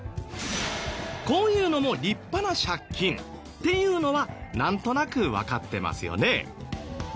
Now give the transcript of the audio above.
こういうのも立派な借金っていうのはなんとなくわかってますよね。